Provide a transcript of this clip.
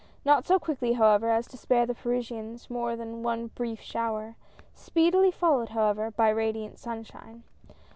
Not so quickly, however, as to spare the Parisians more than one brief shower, speedily followed, how ever, by radiant sunshine.